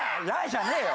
じゃねえよ